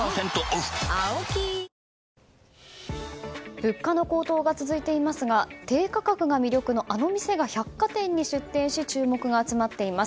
物価の高騰が続いていますが低価格が魅力のあの店が百貨店に出店し注目が集まっています。